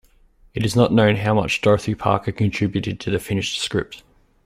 It is not known how much Dorothy Parker contributed to the finished script.